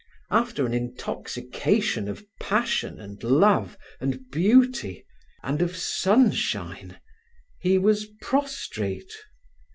After an intoxication of passion and love, and beauty, and of sunshine, he was prostrate.